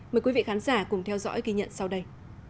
mời quý vị khán giả cùng theo dõi kỳ nhận sau đây